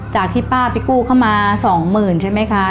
จากที่ป้าไปกู้เข้ามา๒๐๐๐ใช่ไหมคะ